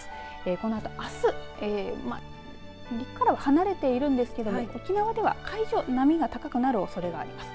このあと、あす陸からは離れているんですが沖縄では海上波が高くなるおそれがあります。